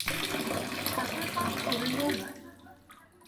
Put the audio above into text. হাজার পাপ করিলেও নয়।